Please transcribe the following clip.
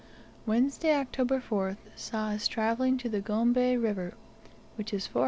Wednesday, October 4th, saw us travelling to the Gombe River, which is 4 h.